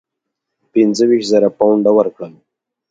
پنځه ویشت زره پونډه ورکړل.